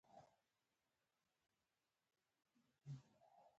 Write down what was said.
شیرینو هم صبر کړی و او برغ یې نه کاوه.